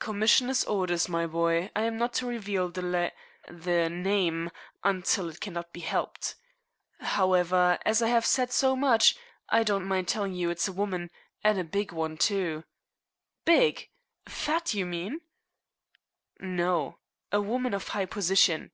"Commissioner's orders, my boy. I am not to reveal the la the name until it cannot be helped. However, as I have said so much, I don't mind telling you it's a woman, and a big one too." "Big! Fat, do you mean?" "No. A woman of high position."